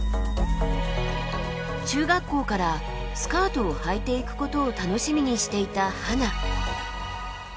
中学校からスカートをはいていくことを楽しみにしていたハナ。